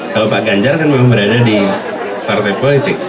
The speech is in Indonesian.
kalau pak ganjar kan memang berada di partai politik